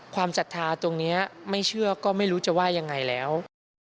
ศรัทธาตรงนี้ไม่เชื่อก็ไม่รู้จะว่ายังไงแล้ว